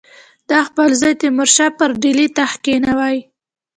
ده خپل زوی تیمورشاه به پر ډهلي تخت کښېنوي.